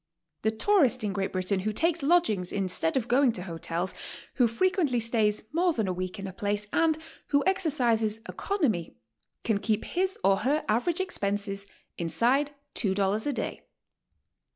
The tourist in Great Britain who takes lodgings instead of going to hotels, who frequently stays more than a week in a place, and who exercises economy, can keep his or her average expenses inside two dollars a day.